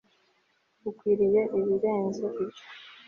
ukwiriye ibirenze ibyo